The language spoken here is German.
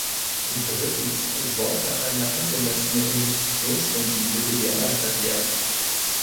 Drittens sollte eine angemessene Investitionsrendite gewährleistet werden.